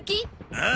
ああ。